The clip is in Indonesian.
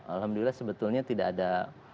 alhamdulillah sebetulnya tidak ada